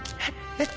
えっ？